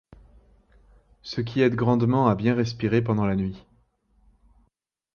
Ce qui aide grandement à bien respirer pendant la nuit.